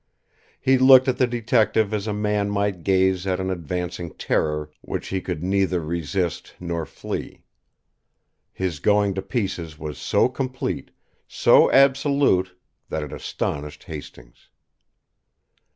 He looked at the detective as a man might gaze at an advancing terror which he could neither resist nor flee. His going to pieces was so complete, so absolute, that it astonished Hastings.